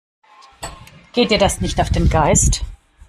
Geht dir das nicht auf den Geist?